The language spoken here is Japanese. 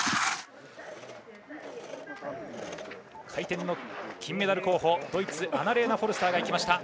回転の金メダル候補ドイツのアナレーナ・フォルスター。